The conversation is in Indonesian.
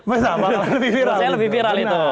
masalah lebih viral